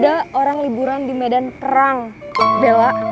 ada orang liburan di medan perang bella